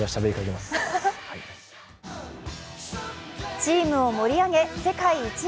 チームを盛り上げ、世界一へ。